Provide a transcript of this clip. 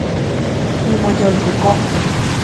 Nimoyolkokojtok